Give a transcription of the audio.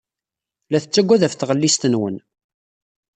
La tettaggad ɣef tɣellist-nwen.